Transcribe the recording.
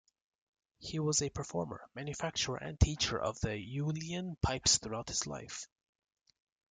He was a performer, manufacturer and teacher of the uilleann pipes throughout his life.